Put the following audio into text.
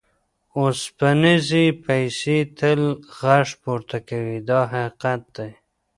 اوسپنیزې پیسې تل غږ پورته کوي دا حقیقت دی.